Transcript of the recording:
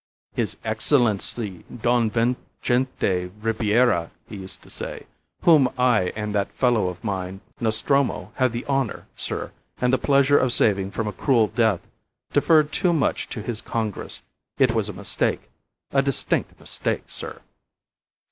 "His Excellency Don Vincente Ribiera," he used to say, "whom I and that fellow of mine, Nostromo, had the honour, sir, and the pleasure of saving from a cruel death, deferred too much to his Congress. It was a mistake a distinct mistake, sir."